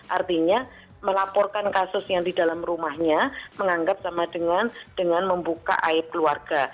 artinya melaporkan kasus yang di dalam rumahnya menganggap sama dengan membuka aib keluarga